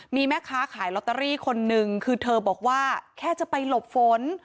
มีแม่ค้าขายลอตเตอรี่คนนึงคือเธอบอกว่าแค่จะไปหลบฝน